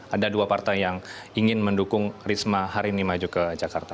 ada dua partai yang ingin mendukung risma hari ini maju ke jakarta